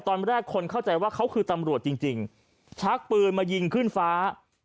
ตอนแรกคนเข้าใจว่าเขาคือตำรวจจริงชักปืนมายิงขึ้นฟ้า